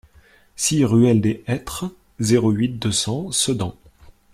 six ruelle des Hêtres, zéro huit, deux cents Sedan